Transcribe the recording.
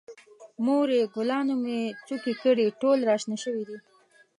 مورې، ګلانو مې څوکې کړي، ټول را شنه شوي دي.